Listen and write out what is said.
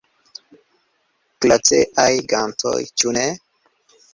Glaceaj gantoj, ĉu ne?